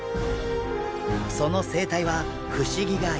その生態は不思議がいっぱい。